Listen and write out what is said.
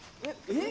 えっ？